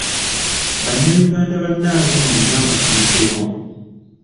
Bannayuganda bannange mwenna mbatumiddeko.